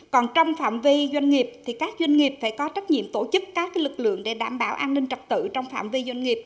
còn trong phạm vi doanh nghiệp thì các doanh nghiệp phải có trách nhiệm tổ chức các lực lượng để đảm bảo an ninh trật tự trong phạm vi doanh nghiệp